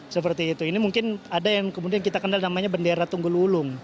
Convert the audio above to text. seperti itu ini mungkin ada yang kemudian kita kenal namanya bendera tunggu lulung